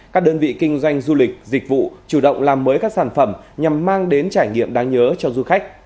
các đơn vị kinh doanh du lịch dịch vụ chủ động làm mới các sản phẩm nhằm mang đến trải nghiệm đáng nhớ cho du khách